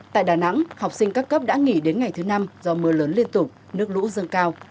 tại đà nẵng học sinh các cấp đã nghỉ đến ngày thứ năm do mưa lớn liên tục nước lũ dâng cao